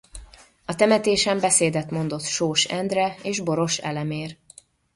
A temetésen beszédet mondott Sós Endre és Boross Elemér.